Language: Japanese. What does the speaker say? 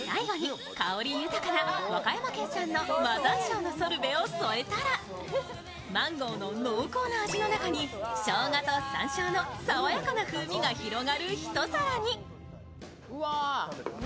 最後に香り豊かな和歌山県産の和ざんしょうのソルベを添えたらマンゴーの濃厚な味の中にしょうがとさんしょうの爽やかな風味が広がるひと皿に。